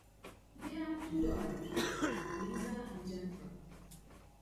They had two daughters, Liza and Jennifer.